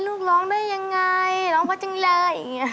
ลูกร้องได้ยังไงร้องมาจังเลย